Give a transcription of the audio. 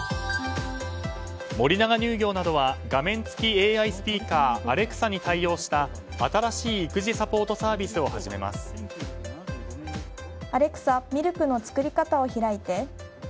森永乳業などは画面付きＡＩスピーカーアレクサに対応した新しい育児サポートサービスをアレクサミルクの作り方を開いて。